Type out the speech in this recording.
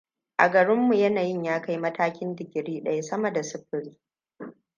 A garinmu yanayin ya kai matakin digiri ɗaya sama da sufuri.